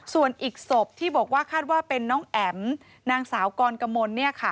ส่วนอีกศพที่บอกว่าคาดว่าเป็นน้องแอ๋มนางสาวกรกมล